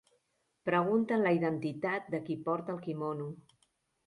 Pregunten la identitat de qui porta el quimono.